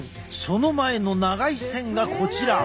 その前の長い線がこちら。